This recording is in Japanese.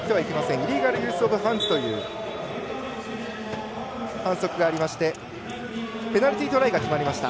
イリーガルユーズハンズという反則がありましてペナルティートライが決まりました。